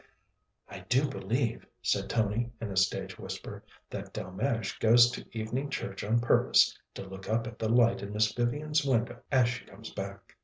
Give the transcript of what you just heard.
"I do believe," said Tony in a stage whisper, "that Delmege goes to evening church on purpose to look up at the light in Miss Vivian's window as she comes back."